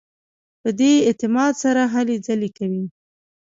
په دې اعتماد سره هلې ځلې کوي.